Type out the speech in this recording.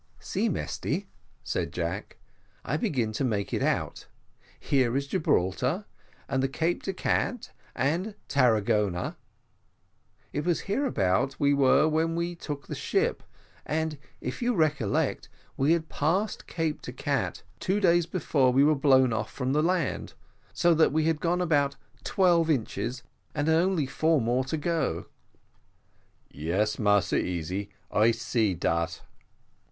"See, Mesty," said Jack, "I begin to make it out; here is Gibraltar, and Cape de Gatte, and Tarragona it was hereabout we were when we took the ship, and, if you recollect, we had passed Cape de Gatte two days before we were blown off from the land, so that we had gone about twelve inches, and had only four more to go." "Yes, Massa Easy, I see all dat."